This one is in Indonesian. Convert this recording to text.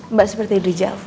mbak seperti diri javu